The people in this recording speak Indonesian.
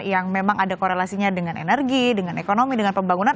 yang memang ada korelasinya dengan energi dengan ekonomi dengan pembangunan